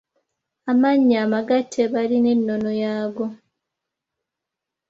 Amannya amagatte balina ennono yaago.